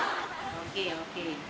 ＯＫＯＫ。